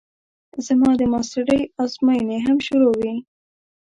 زما د ماسټرۍ ازموينې هم شروع وې.